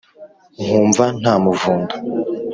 nkumva nta muvundo